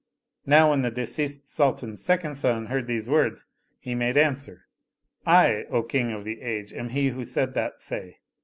" Now when the deceased Sultan's second son heard these words, he made answer :" I, O King of the Age, am he who said that say